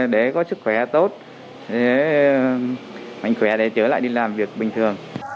để có sức khỏe tốt mạnh khỏe để trở lại đi làm việc bình thường